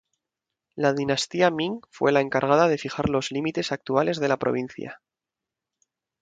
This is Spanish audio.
La dinastía Ming fue la encargada de fijar los límites actuales de la provincia.